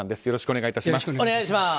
よろしくお願いします。